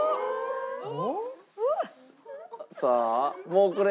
さあもうこれ。